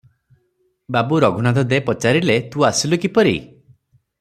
ବାବୁ ରଘୁନାଥ ଦେ ପଚାରିଲେ ତୁ ଆସିଲୁ କିପରି?